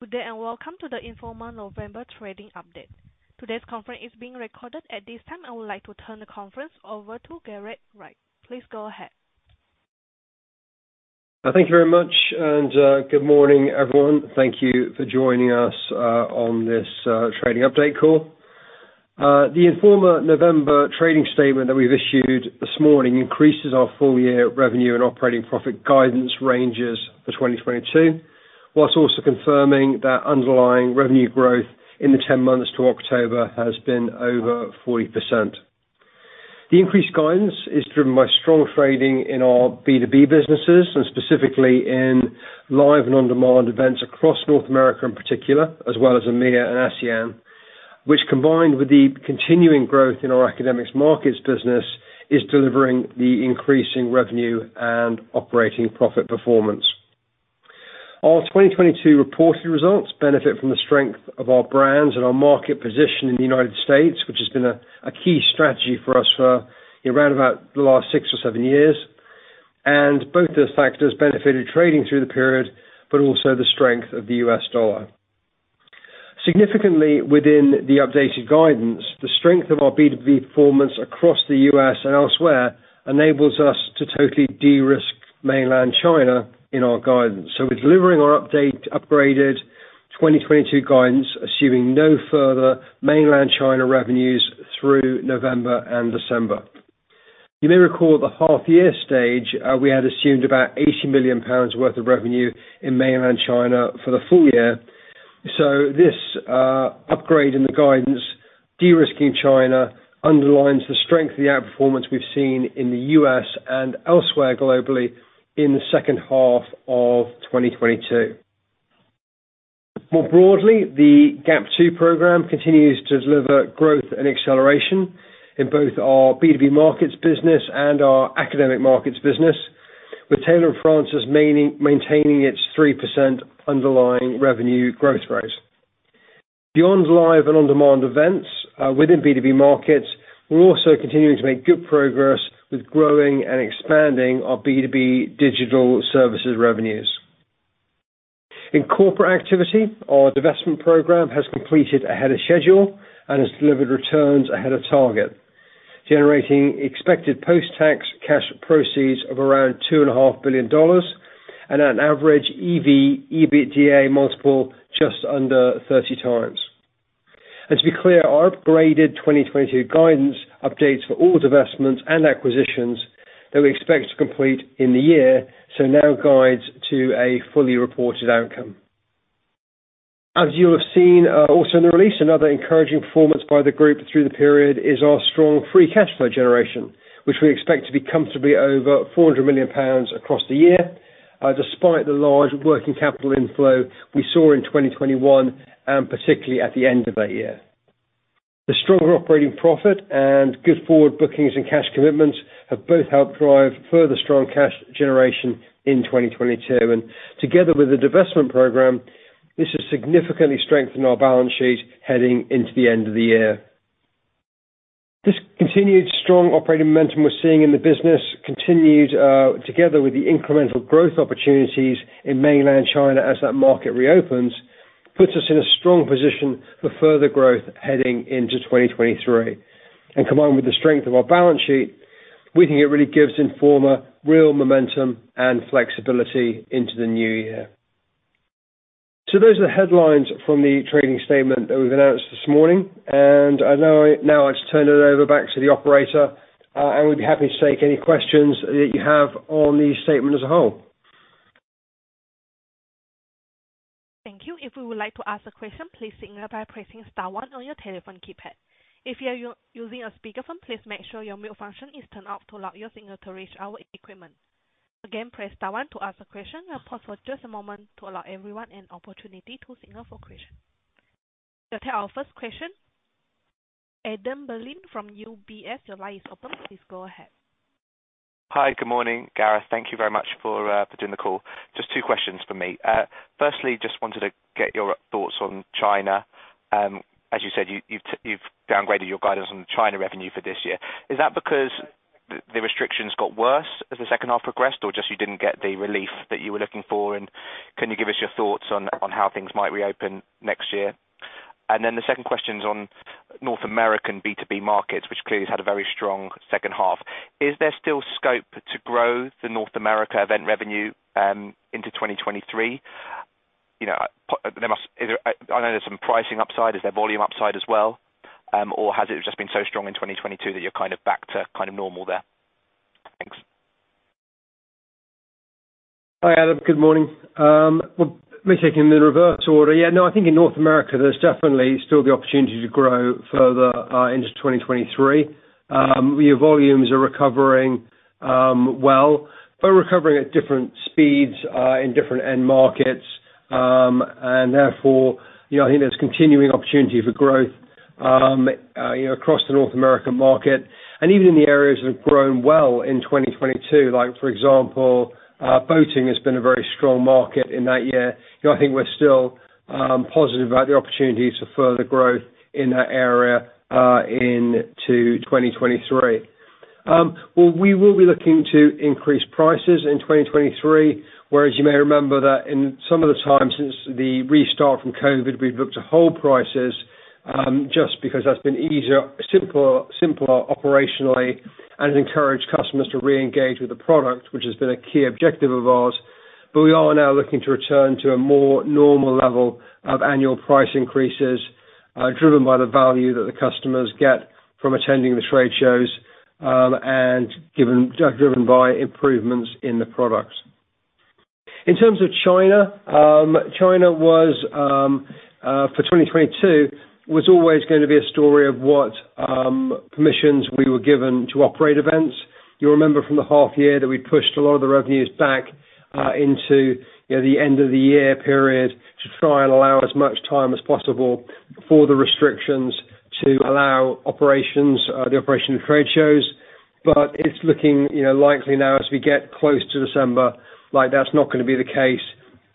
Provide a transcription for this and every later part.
Good day and welcome to the Informa November trading update. Today's conference is being recorded. At this time, I would like to turn the conference over to Gareth Wright. Please go ahead. Thank you very much, and good morning, everyone. Thank you for joining us on this trading update call. The Informa November trading statement that we've issued this morning increases our full year revenue and operating profit guidance ranges for 2022, while also confirming that underlying revenue growth in the 10 months to October has been over 40%. The increased guidance is driven by strong trading in our B2B businesses, and specifically in live and on-demand events across North America in particular, as well as EMEA and ASEAN, which combined with the continuing growth in our academic markets business, is delivering the increasing revenue and operating profit performance. Our 2022 reported results benefit from the strength of our brands and our market position in the United States, which has been a key strategy for us for around about the last six or seven years. Both those factors benefited trading through the period, but also the strength of the US dollar. Significantly within the updated guidance, the strength of our B2B performance across the US and elsewhere enables us to totally de-risk Mainland China in our guidance. We're delivering our upgraded 2022 guidance, assuming no further Mainland China revenues through November and December. You may recall at the half year stage, we had assumed about GBP 80 million worth of revenue in Mainland China for the full year. This upgrade in the guidance de-risks China underlines the strength of the outperformance we've seen in the U.S. and elsewhere globally in the second half of 2022. More broadly, the GAP 2 program continues to deliver growth and acceleration in both our B2B markets business and our academic markets business, with Taylor & Francis maintaining its 3% underlying revenue growth rate. Beyond live and on-demand events, within B2B markets, we're also continuing to make good progress with growing and expanding our B2B digital services revenues. In corporate activity, our divestment program has completed ahead of schedule and has delivered returns ahead of target, generating expected post-tax cash proceeds of around $2.5 billion and an average EV/EBITDA multiple just under 30x. To be clear, our upgraded 2022 guidance updates for all divestments and acquisitions that we expect to complete in the year, so now guides to a fully reported outcome. As you'll have seen, also in the release, another encouraging performance by the group through the period is our strong free cash flow generation, which we expect to be comfortably over 400 million pounds across the year, despite the large working capital inflow we saw in 2021, and particularly at the end of that year. The stronger operating profit and good forward bookings and cash commitments have both helped drive further strong cash generation in 2022. Together with the divestment program, this has significantly strengthened our balance sheet heading into the end of the year. This continued strong operating momentum we're seeing in the business, together with the incremental growth opportunities in Mainland China as that market reopens, puts us in a strong position for further growth heading into 2023. Combined with the strength of our balance sheet, we think it really gives Informa real momentum and flexibility into the new year. Those are the headlines from the trading statement that we've announced this morning, and I now just turn it over back to the operator, and we'd be happy to take any questions that you have on the statement as a whole. Thank you. If you would like to ask a question, please signal by pressing star one on your telephone keypad. If you are using a speakerphone, please make sure your mute function is turned off to allow your signal to reach our equipment. Again, press star one to ask a question. I'll pause for just a moment to allow everyone an opportunity to signal for question. I'll take our first question. Adam Berlin from UBS, your line is open. Please go ahead. Hi. Good morning, Gareth. Thank you very much for doing the call. Just two questions from me. Firstly, just wanted to get your thoughts on China. As you said, you've downgraded your guidance on China revenue for this year. Is that because the restrictions got worse as the second half progressed, or just you didn't get the relief that you were looking for? Can you give us your thoughts on how things might reopen next year? The second question's on North American B2B markets, which clearly has had a very strong second half. Is there still scope to grow the North America event revenue into 2023? You know, I know there's some pricing upside. Is there volume upside as well? Has it just been so strong in 2022 that you're kind of back to kind of normal there? Thanks. Hi, Adam. Good morning. Let me take them in reverse order. Yeah, no, I think in North America there's definitely still the opportunity to grow further into 2023. Your volumes are recovering, but recovering at different speeds in different end markets. Therefore, you know, I think there's continuing opportunity for growth, you know, across the North American market, and even in the areas that have grown well in 2022, like for example, Boating has been a very strong market in that year. You know, I think we're still positive about the opportunities for further growth in that area into 2023. We will be looking to increase prices in 2023. Whereas you may remember that in some of the times since the restart from COVID, we've looked to hold prices, just because that's been easier, simpler operationally and encourage customers to reengage with the product, which has been a key objective of ours. We are now looking to return to a more normal level of annual price increases, driven by the value that the customers get from attending the trade shows, and given, driven by improvements in the products. In terms of China was, for 2022, always gonna be a story of what permissions we were given to operate events. You remember from the half year that we pushed a lot of the revenues back, into, you know, the end of the year period to try to allow as much time as possible for the restrictions to allow operations, the operation of trade shows. It's looking, you know, likely now as we get close to December, like, that's not gonna be the case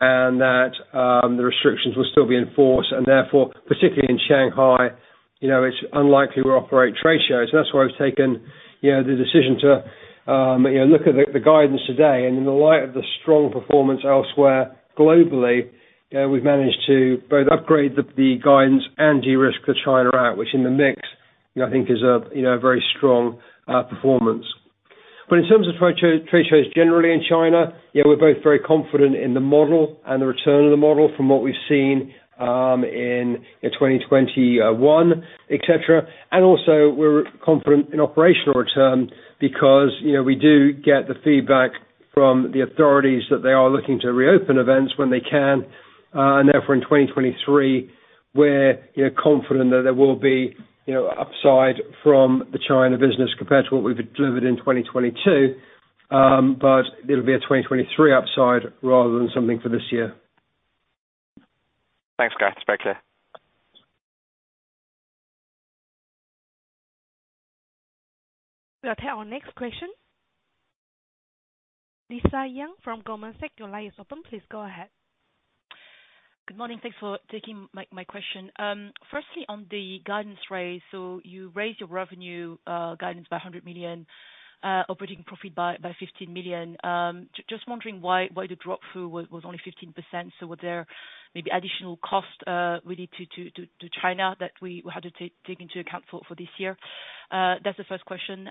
and that the restrictions will still be in force. Therefore, particularly in Shanghai, you know, it's unlikely we'll operate trade shows. That's why we've taken, you know, the decision to, you know, look at the guidance today. In the light of the strong performance elsewhere globally, you know, we've managed to both upgrade the guidance and de-risk the China out, which in the mix, you know, I think is a, you know, a very strong performance. In terms of trade shows generally in China, yeah, we're both very confident in the model and the return of the model from what we've seen in, you know, 2021, et cetera. Also we're confident in operational return because, you know, we do get the feedback from the authorities that they are looking to reopen events when they can. Therefore in 2023, we're, you know, confident that there will be, you know, upside from the China business compared to what we've delivered in 2022. It'll be a 2023 upside rather than something for this year. Thanks, Gareth. It's very clear. We'll take our next question. Lisa Yang from Goldman Sachs, your line is open. Please go ahead. Good morning. Thanks for taking my question. Firstly on the guidance raise. You raised your revenue guidance by 100 million, operating profit by 15 million. Just wondering why the drop through was only 15%. Were there maybe additional costs related to China that we had to take into account for this year? That's the first question.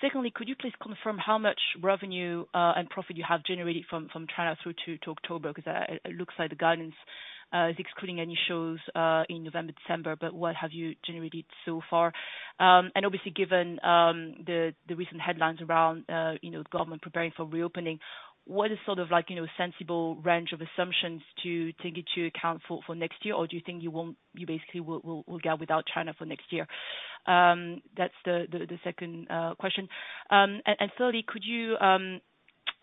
Secondly, could you please confirm how much revenue and profit you have generated from China through to October? Because it looks like the guidance is excluding any shows in November, December, but what have you generated so far? Obviously, given the recent headlines around, you know, the government preparing for reopening, what is sort of like, you know, sensible range of assumptions to take into account for next year? Or do you think you basically will get without China for next year? That's the second question. And thirdly, could you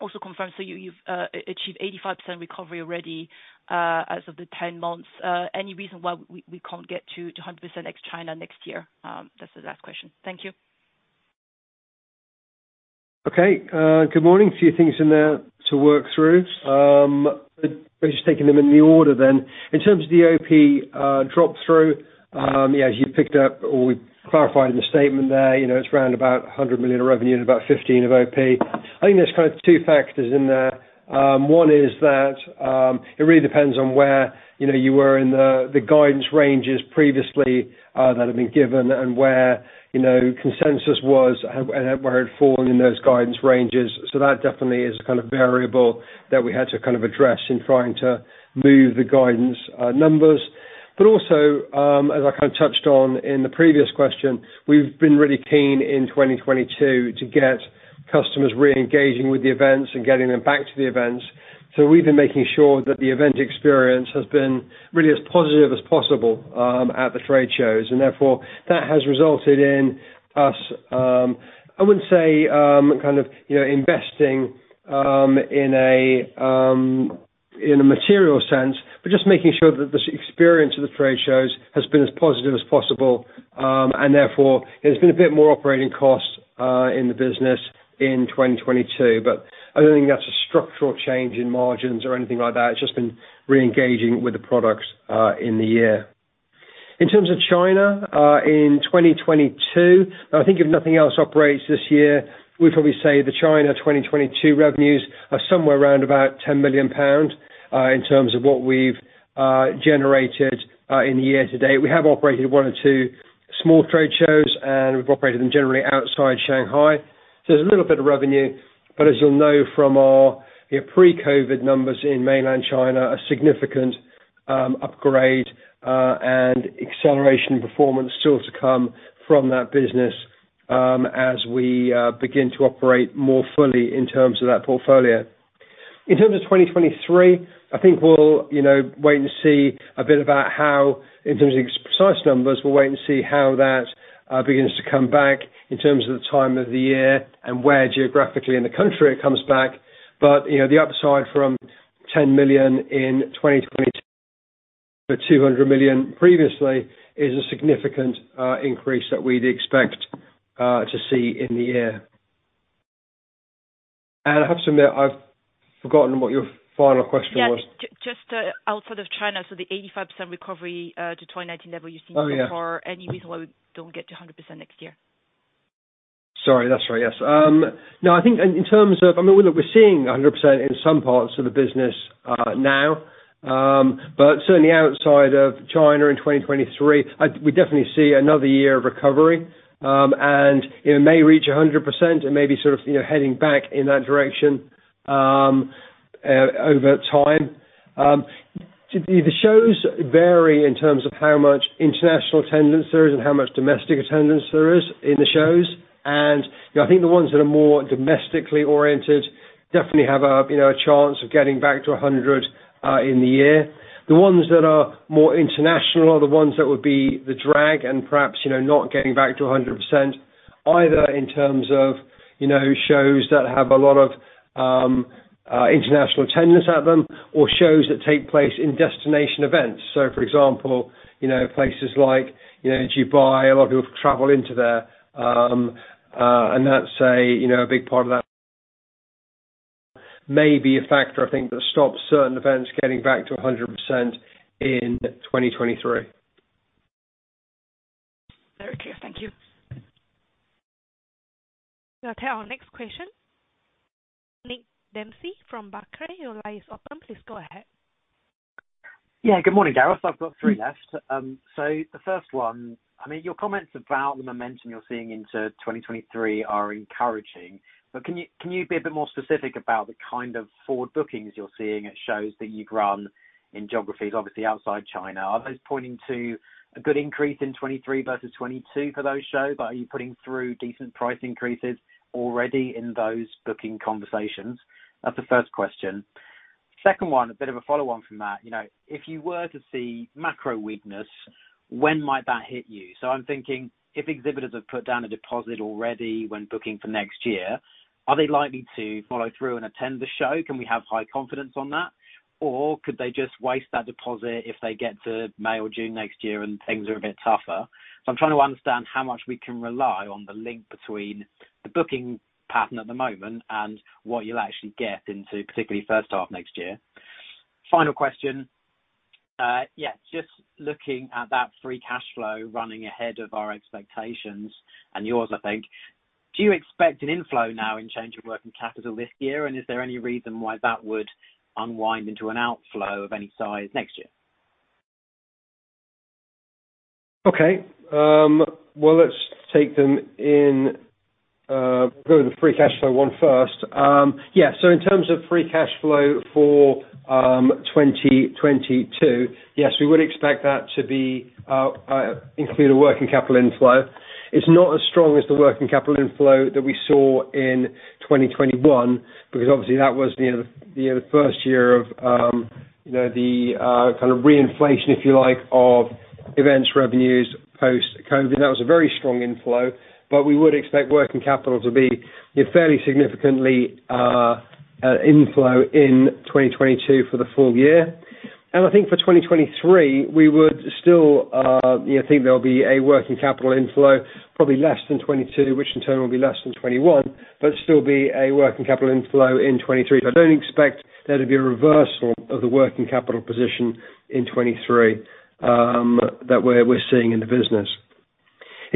also confirm so you've achieved 85% recovery already as of the ten months. Any reason why we can't get to 100% ex-China next year? That's the last question. Thank you. Okay. Good morning. A few things in there to work through. I'm just taking them in the order then. In terms of the OP, drop-through, yeah, as you picked up or we clarified in the statement there, you know, it's around about 100 million of revenue and about 15 of OP. I think there's kind of two factors in there. One is that, it really depends on where, you know, you were in the guidance ranges previously, that have been given and where, you know, consensus was and where it had fallen in those guidance ranges. That definitely is a kind of variable that we had to kind of address in trying to move the guidance numbers. Also, as I kind of touched on in the previous question, we've been really keen in 2022 to get customers re-engaging with the events and getting them back to the events. We've been making sure that the event experience has been really as positive as possible, at the trade shows. Therefore, that has resulted in us, I wouldn't say, kind of, you know, investing, in a, in a material sense, but just making sure that the experience of the trade shows has been as positive as possible. Therefore there's been a bit more operating costs, in the business in 2022. I don't think that's a structural change in margins or anything like that. It's just been re-engaging with the products, in the year. In terms of China, in 2022, I think if nothing else operates this year, we'd probably say the China 2022 revenues are somewhere around about 10 million pounds in terms of what we've generated in the year-to-date. We have operated one or two small trade shows, and we've operated them generally outside Shanghai. There's a little bit of revenue. As you'll know from our, you know, pre-COVID numbers in mainland China, a significant upgrade and acceleration performance still to come from that business, as we begin to operate more fully in terms of that portfolio. In terms of 2023, I think we'll, you know, wait and see a bit about how, in terms of precise numbers, we'll wait and see how that begins to come back in terms of the time of the year and where geographically in the country it comes back. You know, the upside from 10 million in 2020 to 200 million previously is a significant increase that we'd expect to see in the year. I have to admit, I've forgotten what your final question was. Yeah. Just outside of China, so the 85% recovery to 2019-level you're seeing— Oh, yeah. For any reason, why we don't get to 100% next year? Sorry. That's right. Yes. No, I think in terms of... I mean, look, we're seeing 100% in some parts of the business now. But certainly outside of China in 2023, we definitely see another year of recovery. It may reach 100% and may be sort of, you know, heading back in that direction over time. The shows vary in terms of how much international attendance there is and how much domestic attendance there is in the shows. You know, I think the ones that are more domestically oriented definitely have a, you know, a chance of getting back to 100% in the year. The ones that are more international are the ones that would be the drag and perhaps, you know, not getting back to 100% either in terms of, you know, shows that have a lot of international attendance at them, or shows that take place in destination events. For example, you know, places like, you know, Dubai, a lot of people travel into there, and that's a, you know, a big part of that may be a factor, I think, that stops certain events getting back to 100% in 2023. Very clear. Thank you. We'll take our next question. Nick Dempsey from Barclays, your line is open. Please go ahead. Yeah, good morning, Gareth. I've got three left. So the first one, I mean, your comments about the momentum you're seeing into 2023 are encouraging, but can you be a bit more specific about the kind of forward bookings you're seeing at shows that you've run in geographies, obviously outside China? Are those pointing to a good increase in 2023 versus 2022 for those shows? Are you putting through decent price increases already in those booking conversations? That's the first question. Second one, a bit of a follow on from that. You know, if you were to see macro weakness, when might that hit you? So I'm thinking if exhibitors have put down a deposit already when booking for next year, are they likely to follow through and attend the show? Can we have high confidence on that? Could they just waste that deposit if they get to May or June next year and things are a bit tougher? I'm trying to understand how much we can rely on the link between the booking pattern at the moment and what you'll actually get into, particularly first half next year. Final question. Yeah, just looking at that free cash flow running ahead of our expectations and yours, I think. Do you expect an inflow in change in working capital this year? Is there any reason why that would unwind into an outflow of any size next year? Okay. Well, let's go to the free cash flow one first. Yeah, so in terms of free cash flow for 2022, yes, we would expect that to include a working capital inflow. It's not as strong as the working capital inflow that we saw in 2021, because obviously, that was the, you know, the first year of, you know, the kind of reinflation, if you like, of events revenues post-COVID. That was a very strong inflow. We would expect working capital to be a fairly significant inflow in 2022 for the full year. I think for 2023, we would still, you know, think there'll be a working capital inflow, probably less than 2022, which in turn will be less than 2021, but still be a working capital inflow in 2023. I don't expect there to be a reversal of the working capital position in 2023 that we're seeing in the business.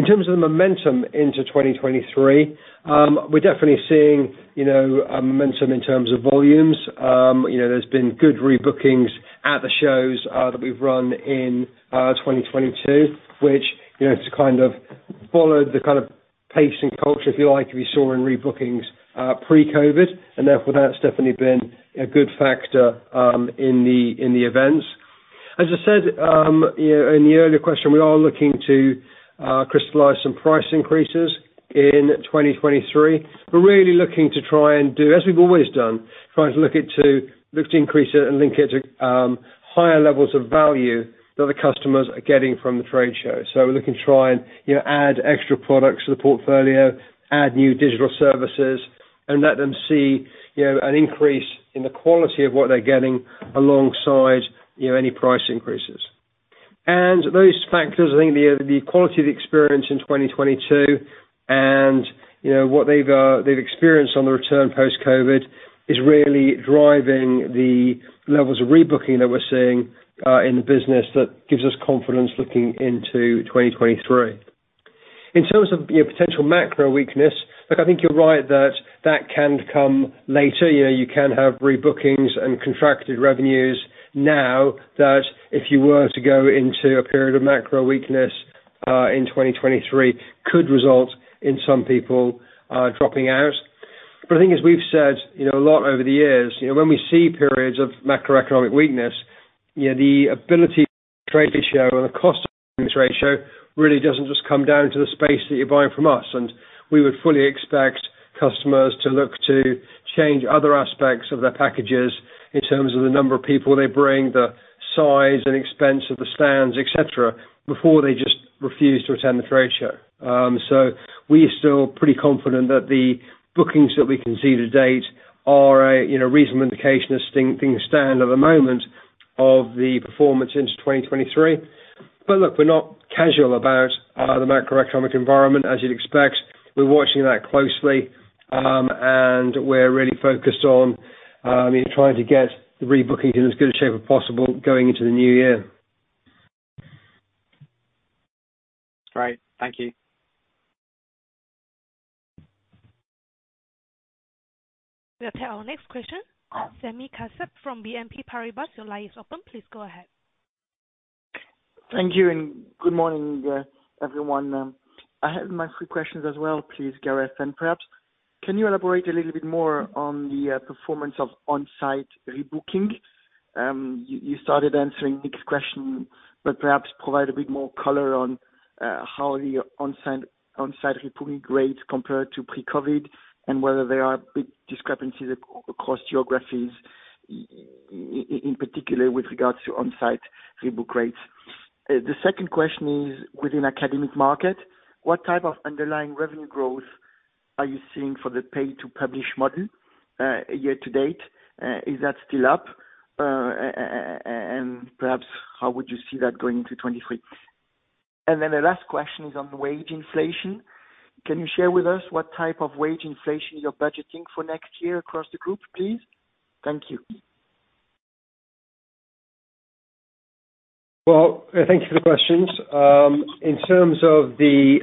In terms of the momentum into 2023, we're definitely seeing, you know, a momentum in terms of volumes. You know, there's been good rebookings at the shows that we've run in 2022, which, you know, it's kind of followed the kind of pace and culture, if you like, we saw in rebookings pre-COVID. Therefore, that's definitely been a good factor in the events. As I said, you know, in the earlier question, we are looking to crystallize some price increases in 2023. We're really looking to try and do, as we've always done, look to increase it and link it to higher levels of value that the customers are getting from the trade shows. We're looking to try and, you know, add extra products to the portfolio, add new digital services, and let them see, you know, an increase in the quality of what they're getting alongside, you know, any price increases. Those factors, I think the quality of the experience in 2022 and, you know, what they've experienced on the return post-COVID is really driving the levels of rebooking that we're seeing in the business that gives us confidence looking into 2023. In terms of, you know, potential macro weakness, look, I think you're right that that can come later. You know, you can have rebookings and contracted revenues now that if you were to go into a period of macro weakness in 2023 could result in some people dropping out. But I think as we've said, you know, a lot over the years, you know, when we see periods of macroeconomic weakness, you know, the ability trade ratio and the cost ratio really doesn't just come down to the space that you're buying from us. We would fully expect customers to look to change other aspects of their packages in terms of the number of people they bring, the size and expense of the stands, et cetera, before they just refuse to attend the trade show. We are still pretty confident that the bookings that we can see to date are, you know, a reasonable indication of things stand at the moment of the performance into 2023. Look, we're not casual about the macroeconomic environment as you'd expect. We're watching that closely, and we're really focused on trying to get the rebookings in as good a shape as possible going into the new year. Great. Thank you. We'll take our next question. Sami Kassab from BNP Paribas, your line is open. Please go ahead. Thank you and good morning, everyone. I have my three questions as well please, Gareth. Perhaps can you elaborate a little bit more on the performance of on-site rebooking? You started answering Nick's question, but perhaps provide a bit more color on how the onsite rebooking rates compare to pre-COVID and whether there are big discrepancies across geographies in particular with regards to on-site rebook rates. The second question is within academic market, what type of underlying revenue growth are you seeing for the pay to publish model, year to date? Is that still up? Perhaps how would you see that going into 2023? The last question is on wage inflation. Can you share with us what type of wage inflation you're budgeting for next year across the group, please? Thank you. Well, thank you for the questions. In terms of the,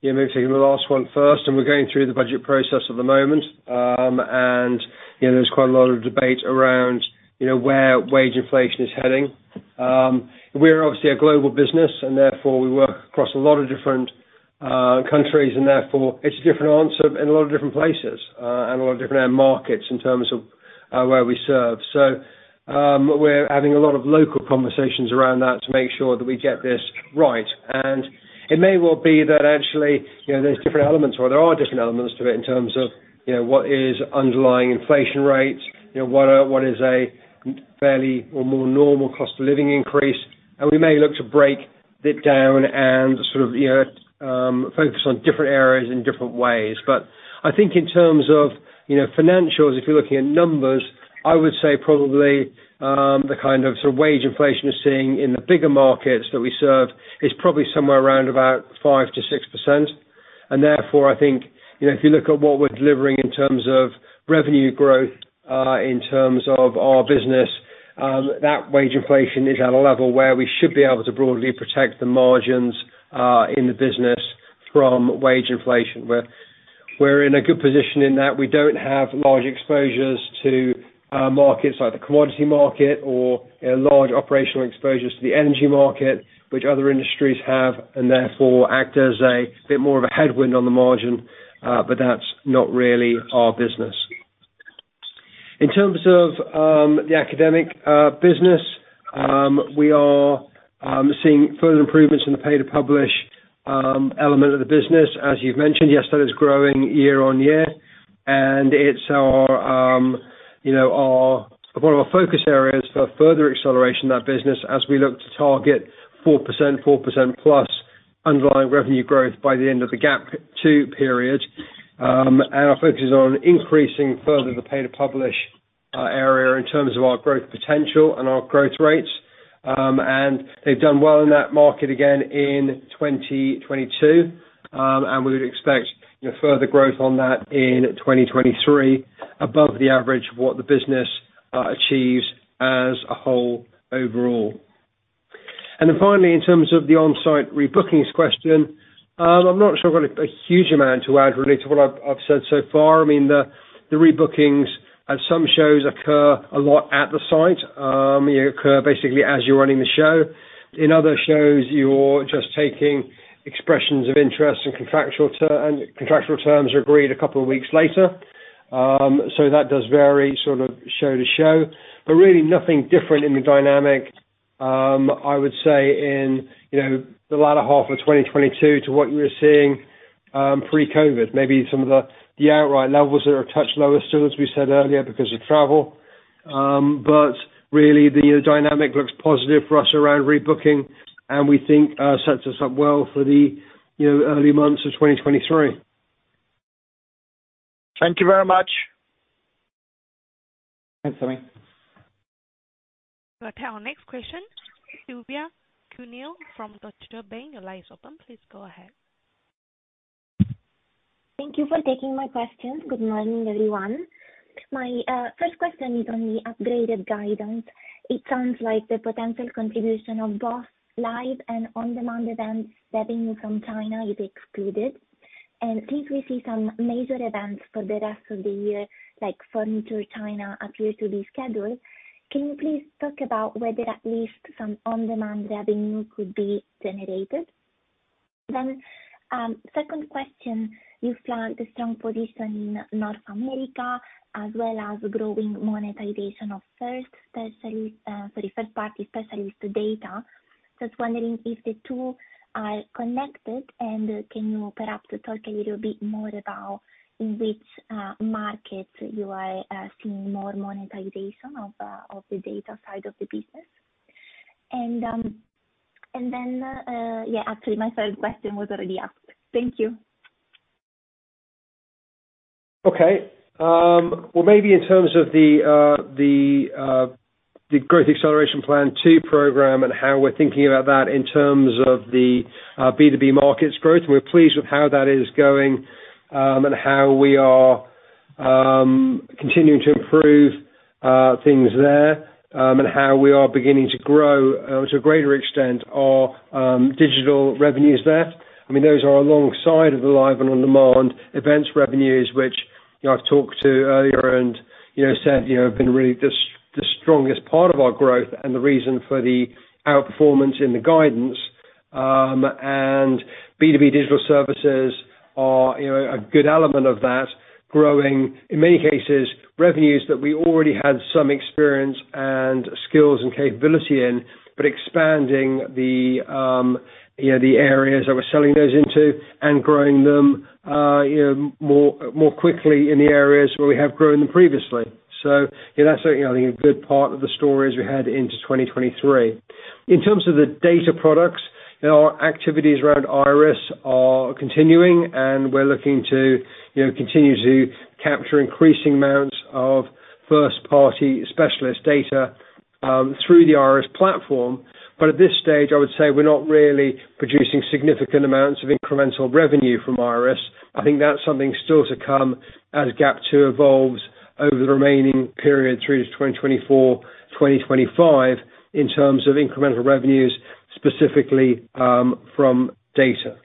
yeah, maybe taking the last one first, we're going through the budget process at the moment. You know, there's quite a lot of debate around, you know, where wage inflation is heading. We're obviously a global business and therefore we work across a lot of different countries and therefore it's a different answer in a lot of different places, and a lot of different end markets in terms of where we serve. We're having a lot of local conversations around that to make sure that we get this right. It may well be that actually, you know, there's different elements or there are different elements to it in terms of, you know, what is underlying inflation rates, you know, what is a fairly or more normal cost of living increase. We may look to break it down and sort of, you know, focus on different areas in different ways. I think in terms of, you know, financials, if you're looking at numbers, I would say probably, the kind of sort of wage inflation we're seeing in the bigger markets that we serve is probably somewhere around about 5%-6%. Therefore, I think, you know, if you look at what we're delivering in terms of revenue growth, in terms of our business, that wage inflation is at a level where we should be able to broadly protect the margins in the business from wage inflation. We're in a good position in that we don't have large exposures to markets like the commodity market or, you know, large operational exposures to the energy market which other industries have, and therefore act as a bit more of a headwind on the margin. But that's not really our business. In terms of the academic business, we are seeing further improvements in the pay-to-publish element of the business. As you've mentioned, yes, that is growing year on year, and it's our, you know, our. One of our focus areas for further acceleration of that business as we look to target 4%+ underlying revenue growth by the end of the GAP 2 period. Our focus is on increasing further the pay-to-publish area in terms of our growth potential and our growth rates. They've done well in that market again in 2022, and we would expect, you know, further growth on that in 2023 above the average of what the business achieves as a whole overall. Then finally, in terms of the on-site rebookings question, I'm not sure I've got a huge amount to add really to what I've said so far. I mean, the rebookings at some shows occur a lot at the site, they occur basically as you're running the show. In other shows, you're just taking expressions of interest and contractual terms are agreed a couple of weeks later. That does vary sort of show to show. Really nothing different in the dynamic, I would say in you know the latter half of 2022 to what you were seeing pre-COVID. Maybe some of the outright levels are a touch lower still, as we said earlier, because of travel. Really the dynamic looks positive for us around rebooking and we think sets us up well for the you know early months of 2023. Thank you very much. Thanks, Sami. We'll take our next question. Silvia Cuneo from Deutsche Bank, your line is open. Please go ahead. Thank you for taking my questions. Good morning, everyone. My first question is on the upgraded guidance. It sounds like the potential contribution of both live and on-demand events revenue from China is excluded. Since we see some major events for the rest of the year, like Furniture China appear to be scheduled, can you please talk about whether at least some on-demand revenue could be generated? Second question, you flagged a strong position in North America as well as growing monetization of first-party specialist data. Just wondering if the two are connected and can you perhaps talk a little bit more about in which markets you are seeing more monetization of the data side of the business? Then actually my third question was already asked. Thank you. Okay. Well maybe in terms of the Growth Acceleration Plan 2 program and how we're thinking about that in terms of the B2B markets growth, and we're pleased with how that is going, and how we are continuing to improve things there, and how we are beginning to grow to a greater extent our digital revenues there. I mean, those are alongside of the live and on-demand events revenues, which, you know, I've talked to earlier and, you know, said, you know, have been really the strongest part of our growth and the reason for the outperformance in the guidance. And B2B digital services are, you know, a good element of that, growing, in many cases, revenues that we already had some experience and skills and capability in. Expanding the, you know, the areas that we're selling those into and growing them, you know, more quickly in the areas where we have grown them previously. You know, that's, you know, I think a good part of the story as we head into 2023. In terms of the data products, you know, our activities around Iris are continuing and we're looking to, you know, continue to capture increasing amounts of first-party specialist data through the Iris platform. At this stage, I would say we're not really producing significant amounts of incremental revenue from Iris. I think that's something still to come as GAP 2 evolves over the remaining period through to 2024-2025, in terms of incremental revenues, specifically, from data.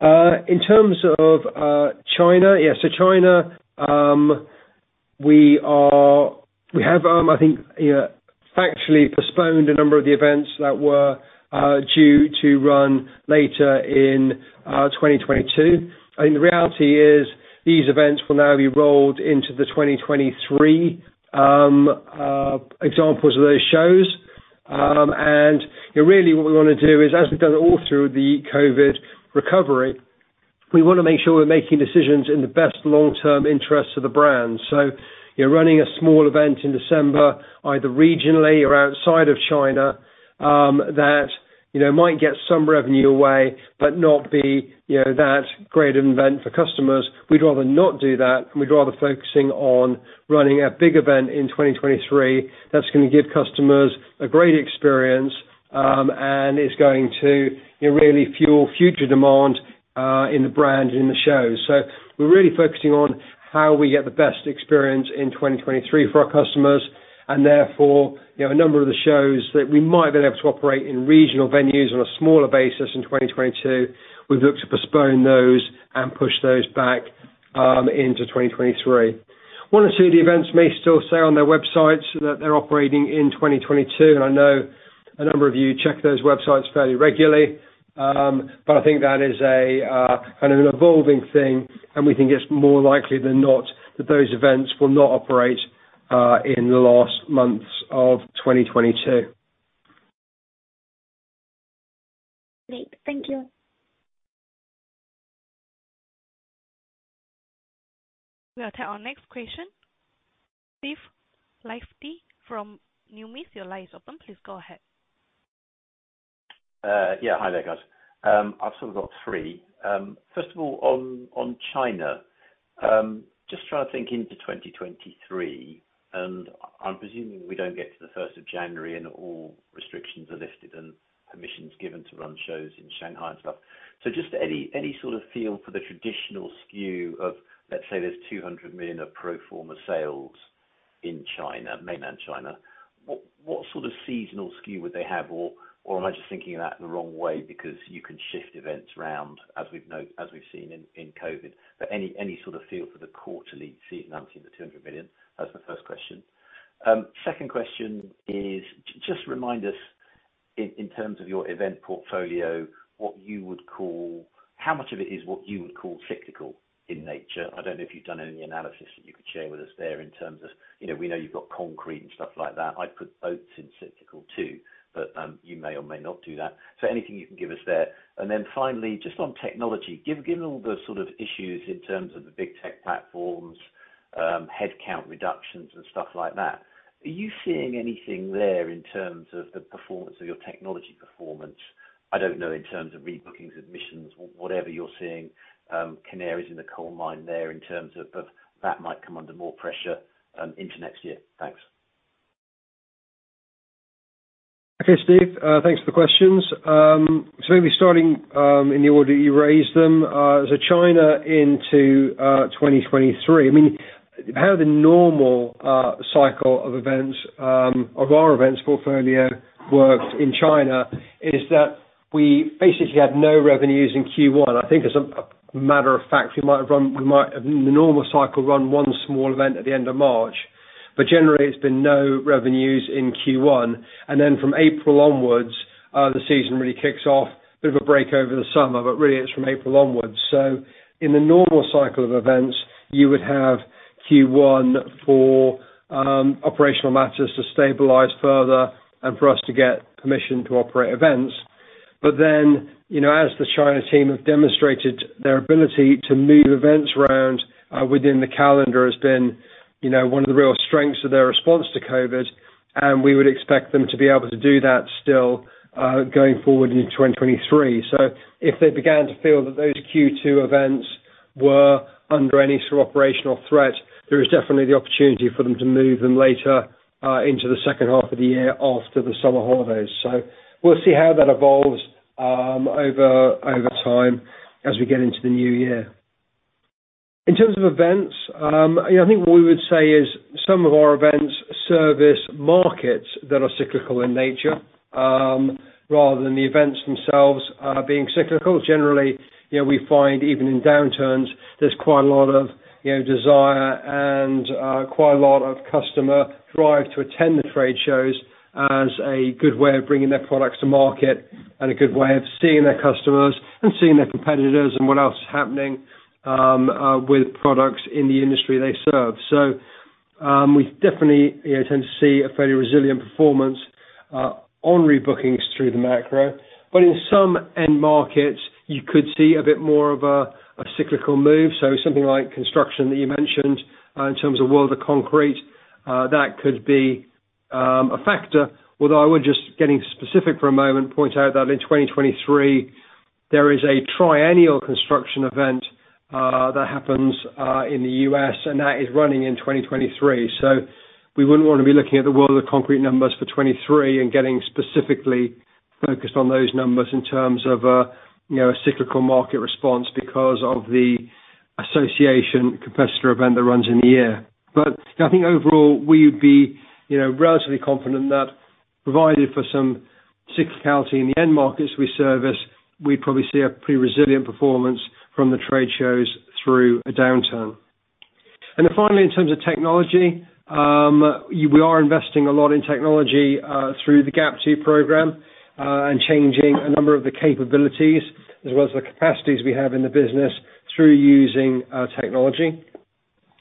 In terms of China. Yeah, China, we have, I think, you know, factually postponed a number of the events that were due to run later in 2022. I think the reality is these events will now be rolled into the 2023 examples of those shows. Really what we wanna do is, as we've done all through the COVID recovery, we wanna make sure we're making decisions in the best long-term interests of the brand. You're running a small event in December, either regionally or outside of China, that, you know, might get some revenue away, but not be, you know, that great an event for customers. We'd rather not do that, and we'd rather focusing on running a big event in 2023 that's gonna give customers a great experience, and is going to really fuel future demand, in the brand in the shows. We're really focusing on how we get the best experience in 2023 for our customers and therefore, you know, a number of the shows that we might have been able to operate in regional venues on a smaller basis in 2022, we've looked to postpone those and push those back, into 2023. One or two of the events may still say on their websites that they're operating in 2022, and I know a number of you check those websites fairly regularly. I think that is a kind of an evolving thing, and we think it's more likely than not that those events will not operate in the last months of 2022. Great. Thank you. We'll take our next question. Steve Liechti from Numis, your line is open. Please go ahead. Yeah, hi there guys. I've sort of got three. First of all, on China, just trying to think into 2023, and I'm presuming we don't get to 1st of January and all restrictions are lifted and permissions given to run shows in Shanghai and stuff. Just any sort of feel for the traditional skew of, let's say there's 200 million of pro forma sales in China, mainland China. What sort of seasonal skew would they have? Or am I just thinking of that in the wrong way because you can shift events around as we've seen in COVID. Any sort of feel for the quarterly seasonality of the 200 million? That's the first question. Second question is just remind us in terms of your event portfolio, what you would call. How much of it is what you would call cyclical in nature? I don't know if you've done any analysis that you could share with us there in terms of, you know, we know you've got concrete and stuff like that. I'd put boats in cyclical too, but you may or may not do that. Anything you can give us there. Finally, just on technology. Given all the sort of issues in terms of the big tech platforms, headcount reductions and stuff like that, are you seeing anything there in terms of the performance of your technology? I don't know, in terms of rebookings, admissions, or whatever you're seeing, canaries in the coal mine there in terms of that might come under more pressure into next year. Thanks. Okay, Steve, thanks for the questions. Maybe starting in the order that you raised them. China into 2023, I mean, how the normal cycle of events of our events portfolio works in China is that we basically had no revenues in Q1. I think as a matter of fact, we might have in the normal cycle run one small event at the end of March, but generally it's been no revenues in Q1. From April onwards, the season really kicks off. Bit of a break over the summer, but really it's from April onwards. In the normal cycle of events, you would have Q1 for operational matters to stabilize further and for us to get permission to operate events. You know, as the China team has demonstrated, their ability to move events around within the calendar has been, you know, one of the real strengths of their response to COVID, and we would expect them to be able to do that still going forward into 2023. If they began to feel that those Q2 events were under any sort of operational threat, there is definitely the opportunity for them to move them later into the second half of the year after the summer holidays. We'll see how that evolves over time as we get into the new year. In terms of events, you know, I think what we would say is some of our events service markets that are cyclical in nature rather than the events themselves being cyclical. Generally, you know, we find even in downturns, there's quite a lot of, you know, desire and quite a lot of customer drive to attend the trade shows as a good way of bringing their products to market, and a good way of seeing their customers and seeing their competitors and what else is happening with products in the industry they serve. We definitely, you know, tend to see a fairly resilient performance on rebookings through the macro. But in some end markets, you could see a bit more of a cyclical move. Something like construction that you mentioned, in terms of World of Concrete, that could be a factor. Although I would, just getting specific for a moment, point out that in 2023, there is a triennial construction event that happens in the U.S. and that is running in 2023. We wouldn't wanna be looking at the World of Concrete numbers for 2023 and getting specifically focused on those numbers in terms of a, you know, cyclical market response because of the association competitor event that runs in the year. I think overall we would be, you know, relatively confident that provided for some cyclicality in the end markets we service, we probably see a pretty resilient performance from the trade shows through a downturn. Finally, in terms of technology, we are investing a lot in technology through the GAP 2 program and changing a number of the capabilities as well as the capacities we have in the business through using technology.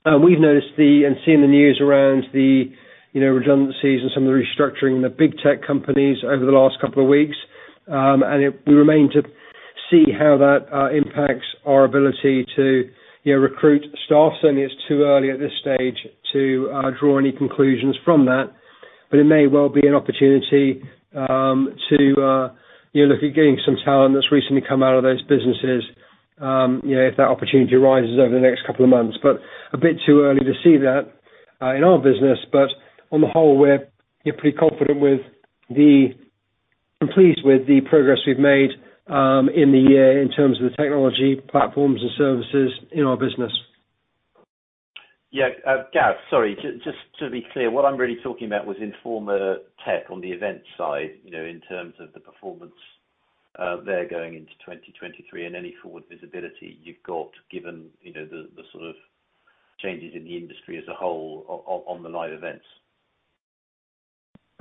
We've noticed and seen the news around the redundancies and some of the restructuring of the big tech companies over the last couple of weeks. It remains to be seen how that impacts our ability to you know, recruit staff. Certainly it's too early at this stage to draw any conclusions from that, but it may well be an opportunity to you know, look at getting some talent that's recently come out of those businesses you know, if that opportunity arises over the next couple of months. A bit too early to see that in our business. On the whole we're, you know, pretty confident and pleased with the progress we've made in the year in terms of the technology platforms and services in our business. Yeah. Gareth, sorry, just to be clear, what I'm really talking about was Informa Tech on the event side, you know, in terms of the performance there going into 2023 and any forward visibility you've got given, you know, the sort of changes in the industry as a whole on the live events.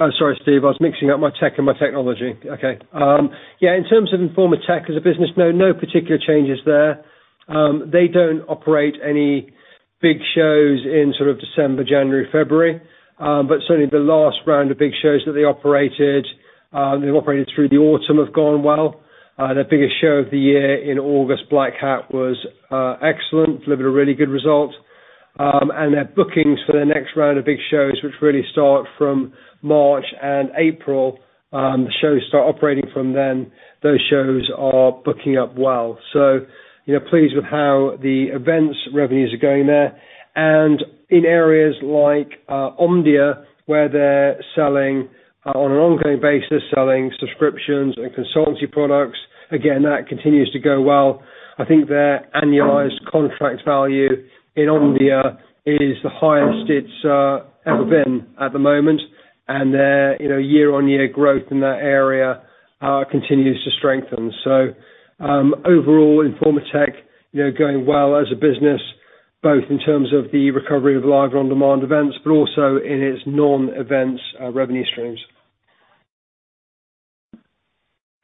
Oh, sorry, Steve. I was mixing up Informa Tech and technology in general. Okay. Yeah, in terms of Informa Tech as a business, no particular changes there. They don't operate any big shows in sort of December, January, February. But certainly the last round of big shows that they operated through the autumn have gone well. Their biggest show of the year in August, Black Hat, was excellent. Delivered a really good result. Their bookings for their next round of big shows, which really start from March and April, the shows start operating from then, those shows are booking up well. You know, pleased with how the events revenues are going there. In areas like Omdia, where they're selling, on an ongoing basis, subscriptions and consultancy products, again, that continues to go well. I think their annualized contract value in Omdia is the highest it's ever been at the moment. Their, you know, year-on-year growth in that area continues to strengthen. Overall Informa Tech, you know, going well as a business, both in terms of the recovery of live or on-demand events, but also in its non-events revenue streams.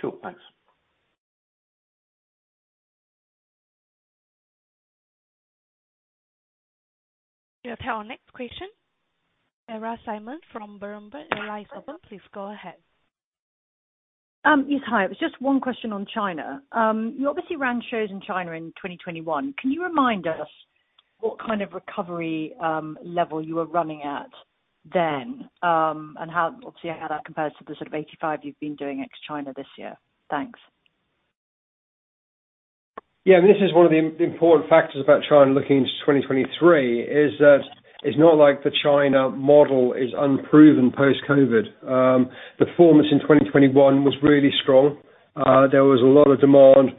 Cool. Thanks. You'll have our next question. Sarah Simon from Berenberg. The line is open. Please go ahead. Yes, hi. It was just one question on China. You obviously ran shows in China in 2021. Can you remind us what kind of recovery level you were running at then? And how, obviously how that compares to the sort of 85% you've been doing ex-China this year. Thanks. Yeah. I mean, this is one of the important factors about China looking into 2023, is that it's not like the China model is unproven post-COVID. Performance in 2021 was really strong. There was a lot of demand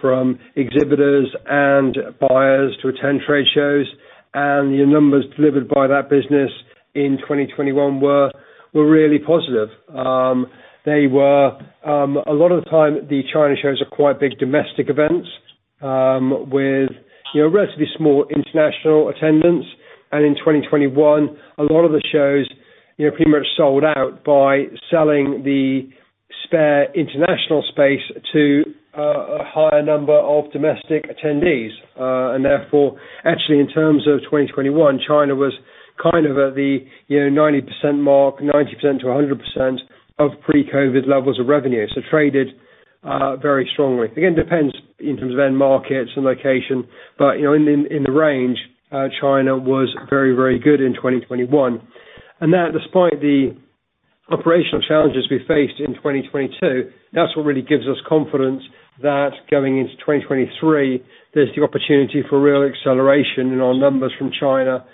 from exhibitors and buyers to attend trade shows, and the numbers delivered by that business in 2021 were really positive. They were a lot of the time the China shows are quite big domestic events with you know relatively small international attendance. In 2021, a lot of the shows you know pretty much sold out by selling the spare international space to a higher number of domestic attendees. Therefore, actually in terms of 2021, China was kind of at the, you know, 90% mark, 90%-100% of pre-COVID levels of revenue. Traded very strongly. Again, depends in terms of end markets and location, but, you know, in the range, China was very, very good in 2021. That despite the operational challenges we faced in 2022, that's what really gives us confidence that going into 2023, there's the opportunity for real acceleration in our numbers from China,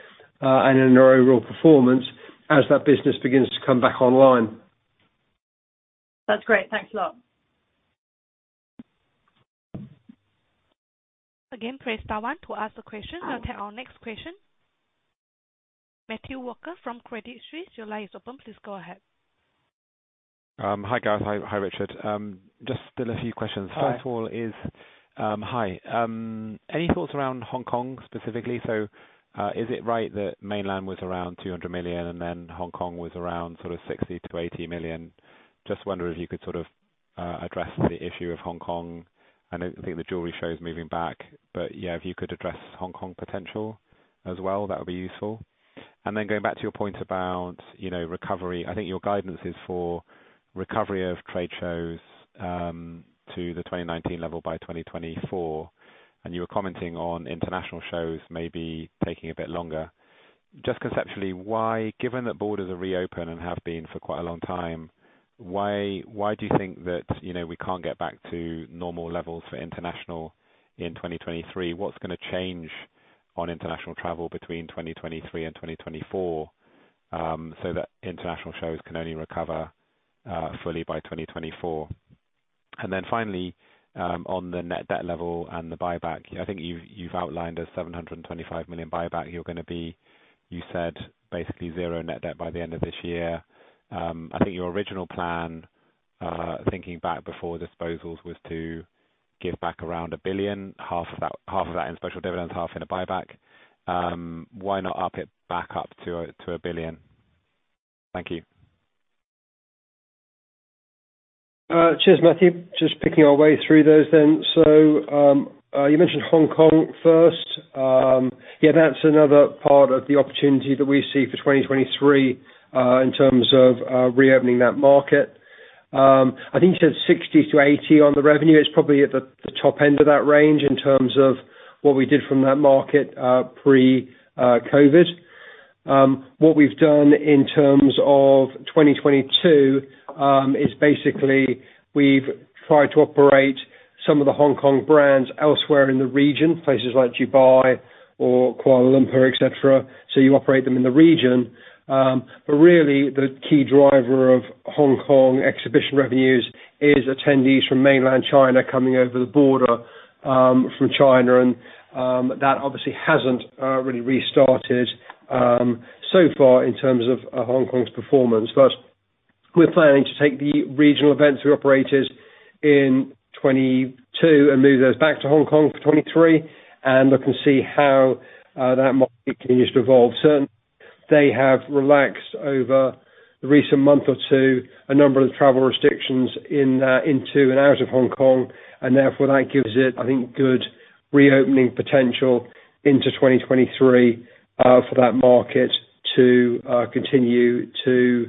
and in our overall performance as that business begins to come back online. That's great. Thanks a lot. Again, press star one to ask a question. I'll take our next question. Matthew Walker from Credit Suisse, your line is open. Please go ahead. Hi guys. Hi, Richard. Just still a few questions? Hi. First of all, is.. Hi. Any thoughts around Hong Kong specifically? Is it right that Mainland was around 200 million and then Hong Kong was around sort of 60 million-80 million? Just wonder if you could sort of address the issue of Hong Kong and I think the jewelry shows moving back, but yeah, if you could address Hong Kong potential as well, that would be useful. Then going back to your point about, you know, recovery. I think your guidance is for recovery of trade shows to the 2019 level by 2024, and you were commenting on international shows maybe taking a bit longer. Just conceptually, why given that borders are reopened and have been for quite a long time, why do you think that, you know, we can't get back to normal levels for international in 2023? What's gonna change on international travel between 2023 and 2024, so that international shows can only recover fully by 2024? And then finally, on the net debt level and the buyback. I think you've outlined a 725 million buyback. You're gonna be, you said basically zero net debt by the end of this year. I think your original plan, thinking back before disposals, was to give back around a 1 billion, half of that in special dividends, half in a buyback. Why not up it back up to a 1 billion? Thank you. Cheers, Matthew. Just picking our way through those then. You mentioned Hong Kong first. Yeah, that's another part of the opportunity that we see for 2023, in terms of reopening that market. I think you said 60 million-80 million on the revenue. It's probably at the top end of that range in terms of what we did from that market pre-COVID. What we've done in terms of 2022 is basically we've tried to operate some of the Hong Kong brands elsewhere in the region, places like Dubai or Kuala Lumpur, et cetera. You operate them in the region. But really the key driver of Hong Kong exhibition revenues is attendees from mainland China coming over the border from China. That obviously hasn't really restarted so far in terms of Hong Kong's performance. We're planning to take the regional events we operated in 2022 and move those back to Hong Kong for 2023 and look and see how that market continues to evolve. Certainly, they have relaxed over the recent month or two a number of travel restrictions into and out of Hong Kong, and therefore that gives it, I think, good reopening potential into 2023 for that market to continue to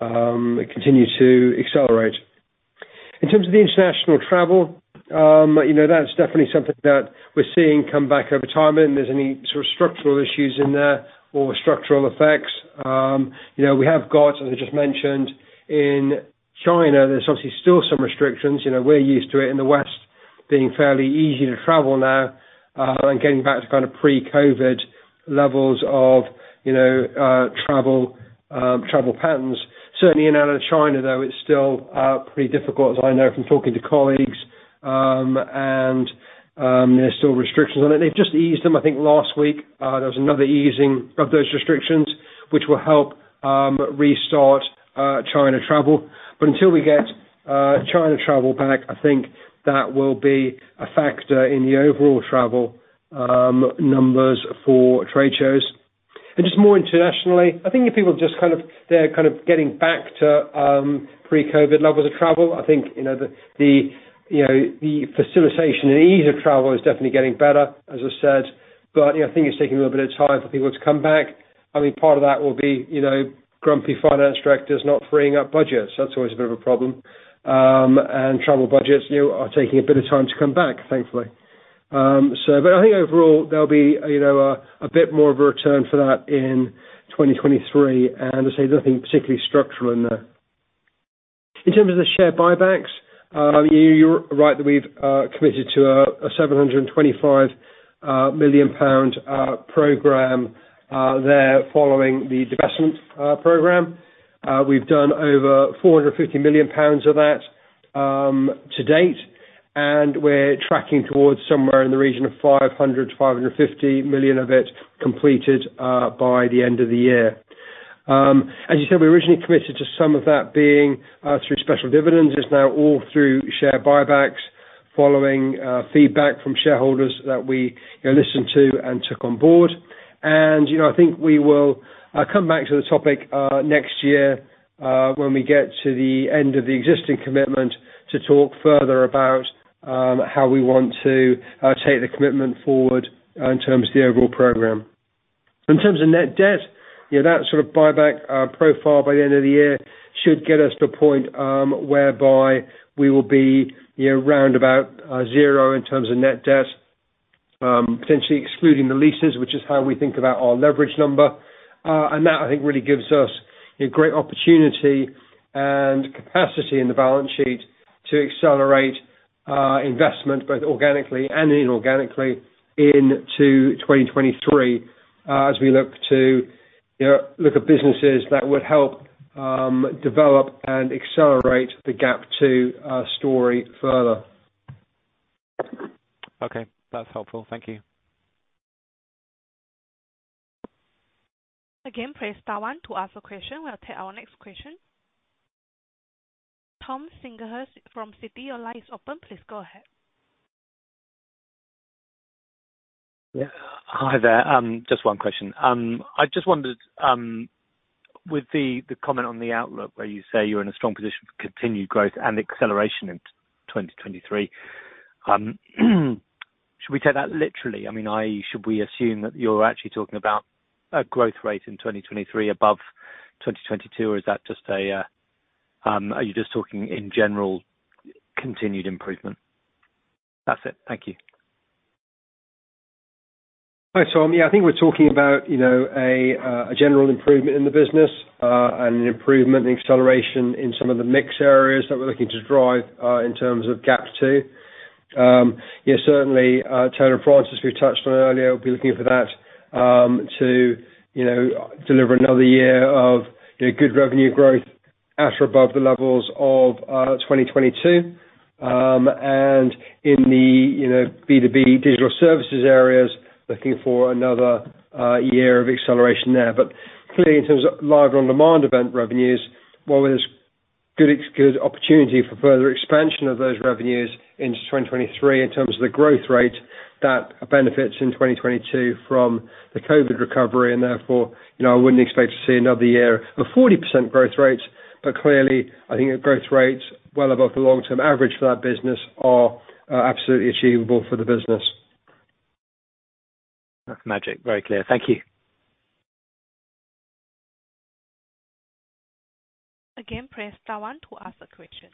accelerate. In terms of the international travel, you know, that's definitely something that we're seeing come back over time. I don't think there's any sort of structural issues in there or structural effects. You know, we have got, as I just mentioned, in China, there's obviously still some restrictions. You know, we're used to it in the West being fairly easy to travel now and getting back to kind of pre-COVID levels of you know travel patterns. Certainly in China, though, it's still pretty difficult, as I know from talking to colleagues. There's still restrictions on it. They've just eased them, I think, last week. There was another easing of those restrictions, which will help restart China travel. Until we get China travel back, I think that will be a factor in the overall travel numbers for trade shows. Just more internationally, I think if people just kind of they're kind of getting back to pre-COVID levels of travel. I think you know the facilitation and ease of travel is definitely getting better, as I said. You know, I think it's taking a little bit of time for people to come back. I mean, part of that will be, you know, grumpy finance directors not freeing up budgets. That's always a bit of a problem. Travel budgets, you know, are taking a bit of time to come back, thankfully. I think overall there'll be, you know, a bit more of a return for that in 2023. As I say, nothing particularly structural in there. In terms of the share buybacks, you're right that we've committed to a 725 million pound program there following the divestment program. We've done over 450 million pounds of that to date, and we're tracking towards somewhere in the region of 500 million-550 million of it completed by the end of the year. As you said, we originally committed to some of that being through special dividends. It's now all through share buybacks following feedback from shareholders that we, you know, listened to and took on board. You know, I think we will come back to the topic next year when we get to the end of the existing commitment to talk further about how we want to take the commitment forward in terms of the overall program. In terms of net debt, you know, that sort of buyback profile by the end of the year should get us to a point, whereby we will be, you know, round about zero in terms of net debt. Potentially excluding the leases, which is how we think about our leverage number. That I think really gives us a great opportunity and capacity in the balance sheet to accelerate investment, both organically and inorganically into 2023, as we look to, you know, look at businesses that would help develop and accelerate the GAP 2 story further. Okay, that's helpful. Thank you. Again, press star one to ask a question. We'll take our next question. Tom Singlehurst from Citi, your line is open. Please go ahead. Yeah. Hi there. Just one question. I just wondered, with the comment on the outlook where you say you're in a strong position for continued growth and acceleration in 2023, should we take that literally? I mean, should we assume that you're actually talking about a growth rate in 2023 above 2022? Or is that just a, are you just talking in general continued improvement? That's it. Thank you. Hi, Tom. Yeah, I think we're talking about, you know, a general improvement in the business, and an improvement in acceleration in some of the mix areas that we're looking to drive, in terms of GAP 2. Yeah, certainly, Taylor & Francis, we touched on earlier, we'll be looking for that, you know, to deliver another year of, you know, good revenue growth at or above the levels of 2022. And in the, you know, B2B digital services areas, looking for another year of acceleration there. Clearly in terms of live and on-demand event revenues, while there's good opportunity for further expansion of those revenues into 2023 in terms of the growth rate that benefits in 2022 from the COVID recovery and therefore, you know, I wouldn't expect to see another year of 40% growth rates. Clearly, I think our growth rates well above the long-term average for that business are absolutely achievable for the business. That's magic. Very clear. Thank you. Again, press star one to ask a question.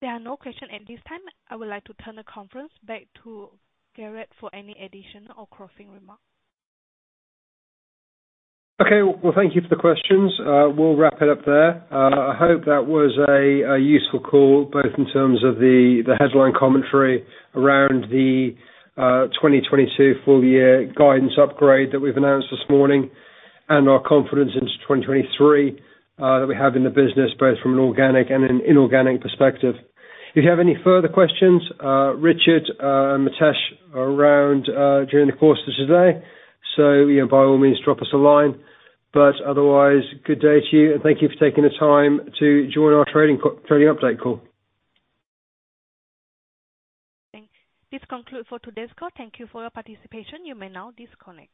There are no questions at this time. I would like to turn the conference back to Gareth for any additional or closing remarks. Okay. Well, thank you for the questions. We'll wrap it up there. I hope that was a useful call, both in terms of the headline commentary around the 2022 full year guidance upgrade that we've announced this morning and our confidence into 2023 that we have in the business, both from an organic and an inorganic perspective. If you have any further questions, Richard and Matesh are around during the course of today. You know, by all means, drop us a line. Otherwise, good day to you, and thank you for taking the time to join our trading update call. Thank you. This concludes for today's call. Thank you for your participation. You may now disconnect.